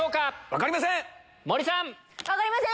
分かりません！